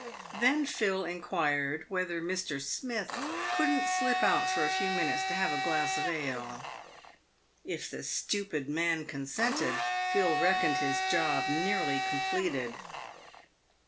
Then Phil inquired whether Mr. Smith couldn't slip out for a few minutes to have a glass of ale. If the stupid man consented, Phil reckoned his job nearly completed.